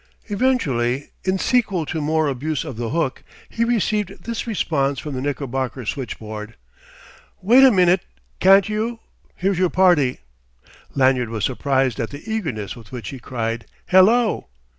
Eventually, in sequel to more abuse of the hook, he received this response from the Knickerbocker switchboard: "Wait a min'te, can't you? Here's your party." Lanyard was surprised at the eagerness with which he cried: "Hello!"